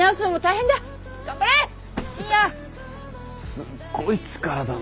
すっごい力だな。